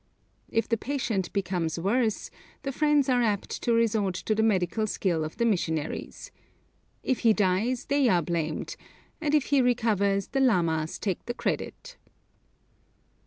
If the patient becomes worse, the friends are apt to resort to the medical skill of the missionaries. If he dies they are blamed, and if he recovers the lamas take the credit.